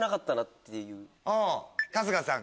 春日さん。